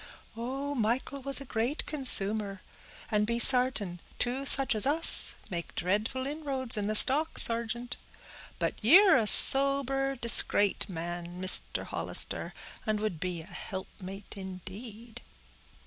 "Oh! Michael was a great consumer, and be sartin; two such as us make dreadful inroads in the stock, sargeant. But ye're a sober, discrate man, Mister Hollister, and would be a helpmate indeed."